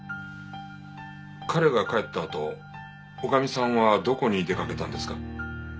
彼が帰ったあと女将さんはどこに出かけたんですか？